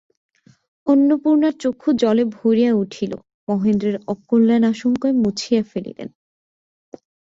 অন্নপূর্ণার চক্ষু জলে ভরিয়া উঠিল, মহেন্দ্রের অকল্যাণ-আশঙ্কায় মুছিয়া ফেলিলেন।